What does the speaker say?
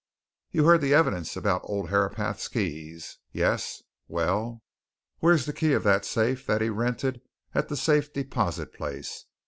You heard the evidence about old Herapath's keys? Yes well, where's the key of that safe that he rented at the Safe Deposit place.